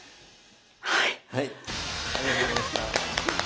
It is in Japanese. はい！